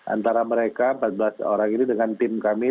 antara mereka empat belas orang ini dengan tim kami